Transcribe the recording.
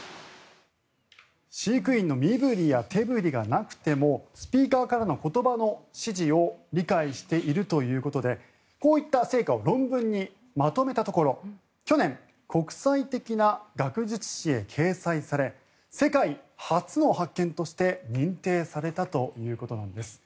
飼育員の身ぶりや手ぶりがなくてもスピーカーからの言葉の指示を理解しているということでこういった成果を論文にまとめたところ去年、国際的な学術誌へ掲載され世界初の発見として認定されたということです。